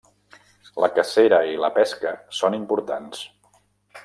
La cacera i la pesca són importants.